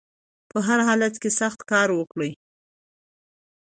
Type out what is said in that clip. په هر حالت کې سخت کار وکړئ